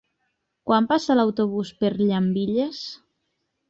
Quan passa l'autobús per Llambilles?